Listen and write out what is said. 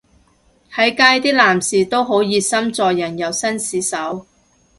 喺街啲男士都好熱心助人又紳士手